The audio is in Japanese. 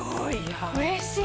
うれしい！